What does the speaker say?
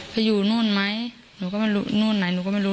เขาอยู่นู่นไหมหนูก็ไม่รู้หนูก็ไม่รู้